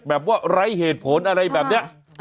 แบบว่าไร้เหตุผลอะไรแบบเนี้ย